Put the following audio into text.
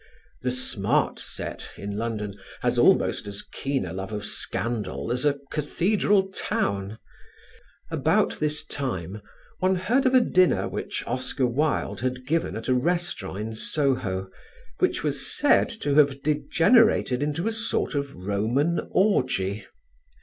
The "smart set" in London has almost as keen a love of scandal as a cathedral town. About this time one heard of a dinner which Oscar Wilde had given at a restaurant in Soho, which was said to have degenerated into a sort of Roman orgy.